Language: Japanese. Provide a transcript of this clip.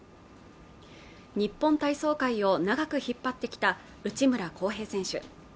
日本体操界を長く引っ張ってきた内村航平選手